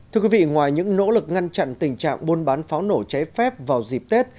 thưa quý vị ngoài những nỗ lực ngăn chặn tình trạng buôn bán pháo nổ cháy phép vào dịp tết